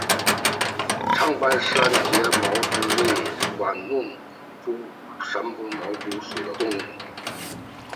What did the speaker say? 长斑三栉毛蛛为管网蛛科三栉毛蛛属的动物。